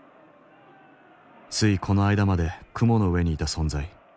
ついこの間まで雲の上にいた存在。